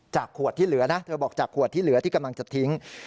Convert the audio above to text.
ขวดที่เหลือนะเธอบอกจากขวดที่เหลือที่กำลังจะทิ้ง